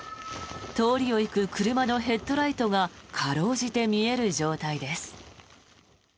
通りを行く車のヘッドライトがかろうじて見える状態です。